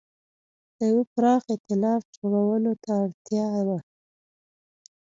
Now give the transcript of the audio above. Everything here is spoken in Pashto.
د یوه پراخ اېتلاف جوړولو ته اړتیا وه.